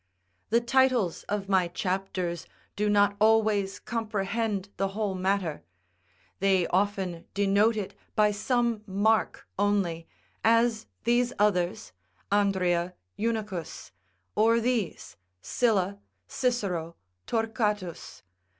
The titles of my chapters do not always comprehend the whole matter; they often denote it by some mark only, as these others, Andria, Eunuchus; or these, Sylla, Cicero, Toyquatus.